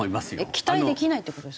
期待できないって事ですか？